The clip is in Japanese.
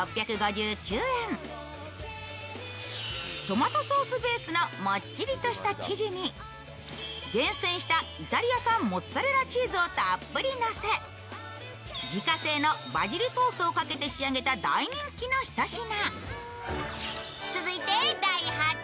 トマトソースベースのもっちりとした生地に厳選したイタリア産モッツアレラチーズをたっぷりのせ自家製のバジルソースをかけて仕上げた大人気のひと品。